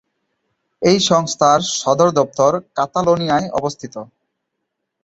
এই সংস্থার সদর দপ্তর কাতালোনিয়ায় অবস্থিত।